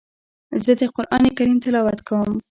زه د قران کریم تلاوت کوم.